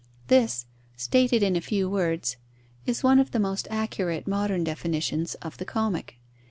This, stated in a few words, is one of the most accurate modern definitions of the comic.